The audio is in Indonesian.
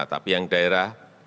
tapi yang daerah